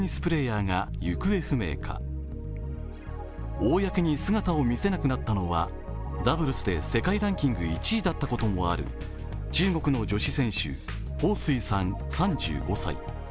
公に姿を見せなくなったのはダブルスで世界ランキング１位だったこともある中国の女子選手、彭帥さん３５歳。